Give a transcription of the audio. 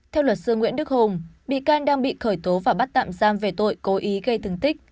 theo luật sư nguyễn đức hùng bị can đang bị khởi tố và bắt tạm giam về tội cố ý gây thương tích